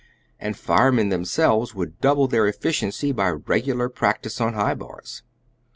And firemen themselves would double their efficiency by regular practice on high bars.